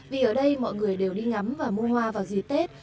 vì ở đây mọi người đều đi ngắm và mua hoa vào dịp tết